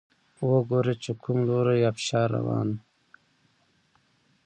وګوره چې کوم لوری ابشار روان